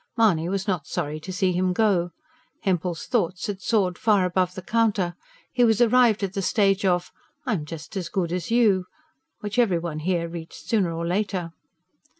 Mahony was not sorry to see him go. Hempel's thoughts had soared far above the counter; he was arrived at the stage of: "I'm just as good as you!" which everyone here reached sooner or later.